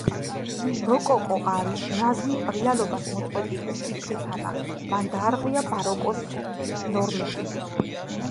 Როკოკო არის: ნაზი, რეალობას მოწყვეტილი, სიფრიფანა. Მან დაარღვია ბაროკოს ნორმები.